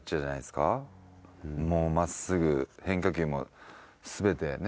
もう真っすぐ変化球も全てね。